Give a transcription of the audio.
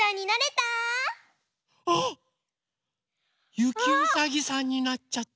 ゆきうさぎさんになっちゃった。